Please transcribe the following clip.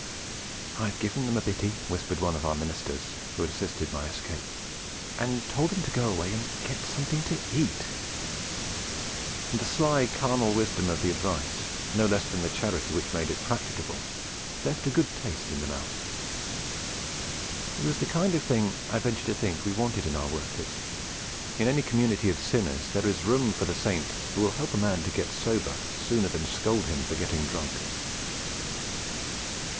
'I've given them a bitty,' whispered one of our ministers, who had assisted my escape, 'and told them to go away and get something to eat.' And the sly carnal wisdom of the advice, no less than the charity which made it practicable, left a good taste in the mouth. It was the kind of thing I ventured to think we wanted in our workers. In any community of sinners there is room for the saint who will help a man to get sober sooner than scold him for getting drunk.